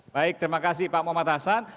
baik terima kasih pak muhammad hasan